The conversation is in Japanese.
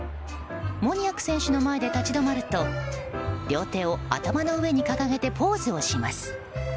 モニアク選手の前で立ち止まると両手を頭の上に掲げてポーズをします。